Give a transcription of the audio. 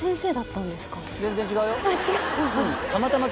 全然違うよ。